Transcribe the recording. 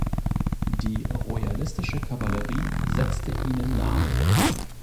Die royalistische Kavallerie setzte ihnen nach.